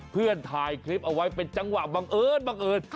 เพื่อนถ่ายคลิปเอาไว้เป็นจังหวะบังเอิญบังเอิญ